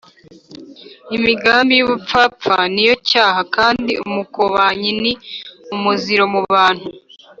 imigambi y’ubupfapfa ni yo cyaha, kandi umukobanyi ni umuziro mu bantu